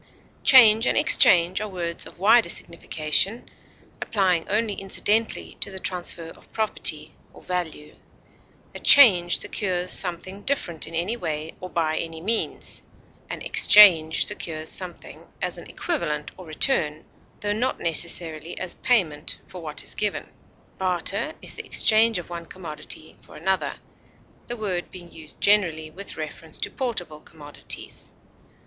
Change and exchange are words of wider signification, applying only incidentally to the transfer of property or value; a change secures something different in any way or by any means; an exchange secures something as an equivalent or return, tho not necessarily as payment for what is given. Barter is the exchange of one commodity for another, the word being used generally with reference to portable commodities.